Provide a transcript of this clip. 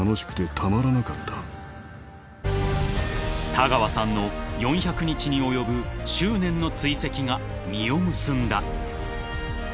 ［田川さんの４００日に及ぶ執念の追跡が実を結んだ］